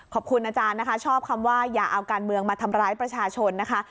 ขอบคุณอาจารย์นะคะชอบคำว่าอย่าเอาการเมืองมาทำร้ายประชาชนนะคะ